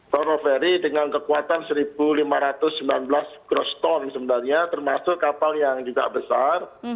roro ferry dengan kekuatan satu lima ratus sembilan belas groston sebenarnya termasuk kapal yang juga besar